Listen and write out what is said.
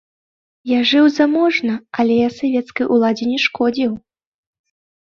Я жыў заможна, але я савецкай уладзе не шкодзіў.